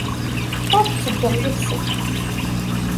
Ur ttedduɣ yid-sent.